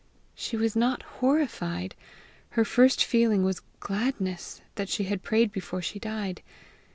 She was not horrified; her first feeling was gladness that she had prayed before she died.